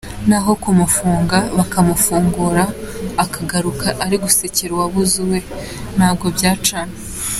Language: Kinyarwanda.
Naho kumufunga, bakamufungura, akagaruka ari gusekera uwabuze uwe, ntabwo byacamo.